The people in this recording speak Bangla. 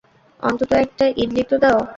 অন্তত একটা ইডলি তো দাও।